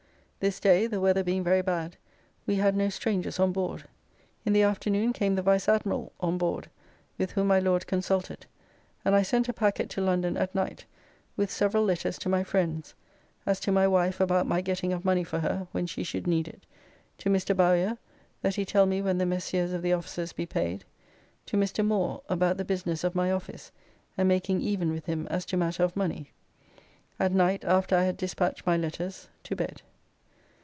This day, the weather being very bad, we had no strangers on board. In the afternoon came the Vice Admiral on board, with whom my Lord consulted, and I sent a packet to London at night with several letters to my friends, as to my wife about my getting of money for her when she should need it, to Mr. Bowyer that he tell me when the Messieurs of the offices be paid, to Mr. Moore about the business of my office, and making even with him as to matter of money. At night after I had despatched my letters, to bed.